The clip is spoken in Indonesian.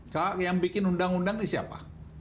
kak yang bikin undang undang ini siapa